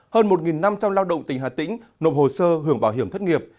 hơn một năm trăm linh lao động tỉnh hà tĩnh nộp hồ sơ hưởng bảo hiểm thất nghiệp